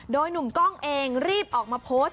โดยหนุ่มกล้องเองรีบออกมาโพสต์